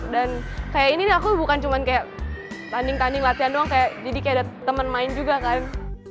dan kayak ini nih aku bukan cuma kayak tanding tanding latihan doang jadi kayak ada temen main juga kan